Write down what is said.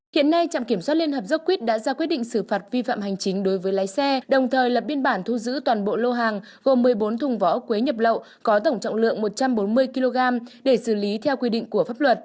hiện nay trạm kiểm soát liên hợp dốc quyết đã ra quyết định xử phạt vi phạm hành chính đối với lái xe đồng thời lập biên bản thu giữ toàn bộ lô hàng gồm một mươi bốn thùng vỏ ốc quế nhập lậu có tổng trọng lượng một trăm bốn mươi kg để xử lý theo quy định của pháp luật